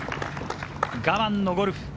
我慢のゴルフ。